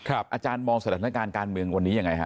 อาจารย์มองสถานการณ์การเมืองวันนี้ยังไงฮะ